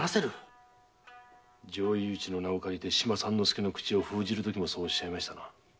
上意討ちの名を借りて島三之介の口を封じるときもそうおっしゃいましたな。